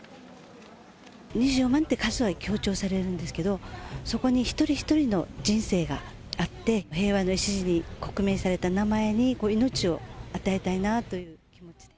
２４万って数は強調されるんですけど、そこに一人一人の人生があって、平和の礎に刻銘された名前に命を与えたいなと。